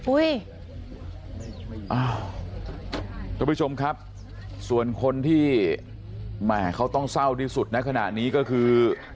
ทุกผู้ชมครับส่วนคนที่แหมเขาต้องเศร้าที่สุดในขณะนี้ก็คือ